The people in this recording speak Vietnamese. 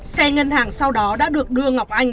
xe ngân hàng sau đó đã được đưa ngọc anh